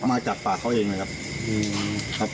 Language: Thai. มาจากปากเขาเองเลยครับ